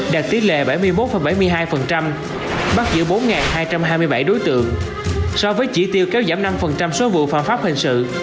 đạt tỷ lệ bảy mươi một bảy mươi hai bắt giữ bốn hai trăm hai mươi bảy đối tượng so với chỉ tiêu kéo giảm năm số vụ phạm pháp hình sự